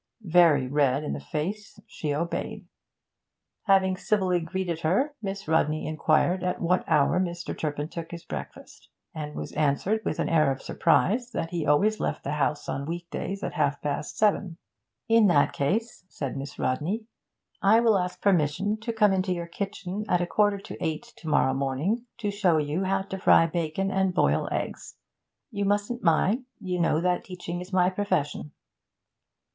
Very red in the face, she obeyed. Having civilly greeted her, Miss Rodney inquired at what hour Mr. Turpin took his breakfast, and was answered with an air of surprise that he always left the house on week days at half past seven. 'In that case,' said Miss Rodney, 'I will ask permission to come into your kitchen at a quarter to eight to morrow morning, to show you how to fry bacon and boil eggs. You mustn't mind. You know that teaching is my profession.'